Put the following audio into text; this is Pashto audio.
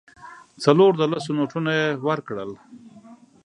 څلور د لسو نوټونه یې ورکړل.